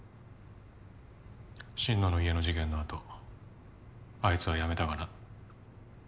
心野の家の事件のあとあいつは辞めたがな。